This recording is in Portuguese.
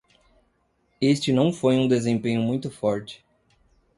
Este não foi um desempenho muito forte.